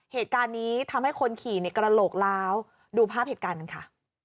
เหตุการณ์นี้ทำให้คนขี่ในกระโหลกล้าวดูภาพเหตุการณ์กันค่ะ